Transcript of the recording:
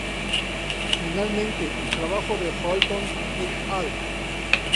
Finalmente el trabajo de Holton "et al.